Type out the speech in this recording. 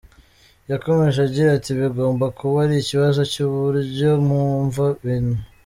Yakomeje agira ati “Bigomba kuba ari ikibazo cy’uburyo mwumva ibintu.